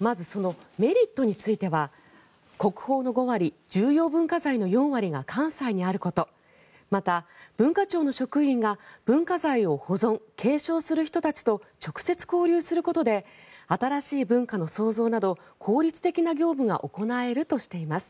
まず、メリットについては国宝の５割、重要文化財の４割が関西にあることまた、文化庁の職員が文化財を保存・継承する人たちと直接交流することで新しい文化の創造など効率的な業務が行えるとしています。